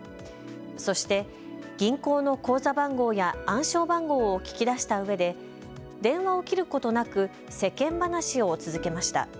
そして銀行の口座番号や暗証番号を聞き出したうえで電話を切ることなく世間話を続けました。